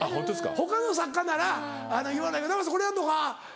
他の作家なら言わないけど「生瀬これやるのか？